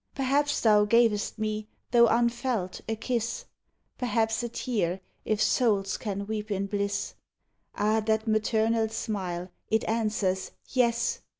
I'erhaps thou gavest me. though unfelt, a kiss; Perhaps a tear, if souls can weep in bliss Ah. that maternal smile! it answers Yes.